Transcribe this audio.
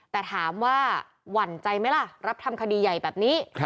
แต่ถามว่าหวั่นใจไหมล่ะรับทำคดีใหญ่แบบนี้